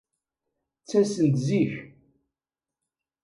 Ttasen-d zik.